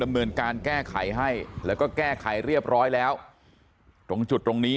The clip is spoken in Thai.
เนินการแก้ไขให้แล้วก็แก้ไขเรียบร้อยแล้วตรงจุดตรงนี้